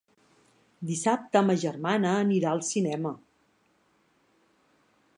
Dissabte ma germana anirà al cinema.